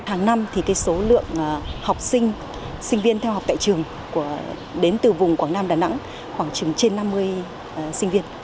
hàng năm thì số lượng học sinh sinh viên theo học tại trường đến từ vùng quảng nam đà nẵng khoảng chừng trên năm mươi sinh viên